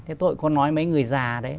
thế tôi cũng nói mấy người già đấy